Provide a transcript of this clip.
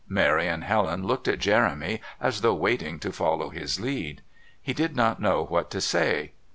Mary and Helen looked at Jeremy as though waiting to follow his lead. He did not know what to say.